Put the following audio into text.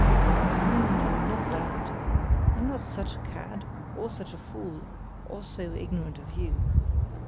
"No, no, not that. I'm not such a cad, or such a fool, or so ignorant of you.